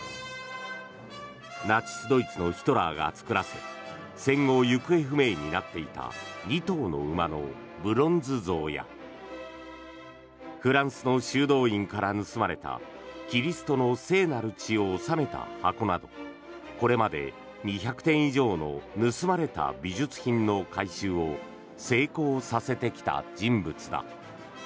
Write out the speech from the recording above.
ナチス・ドイツのヒトラーが作らせ戦後、行方不明になっていた２頭の馬のブロンズ像やフランスの修道院から盗まれたキリストの聖なる血を納めた箱などこれまで２００点以上の盗まれた美術品の回収を成功させてきた人物だ。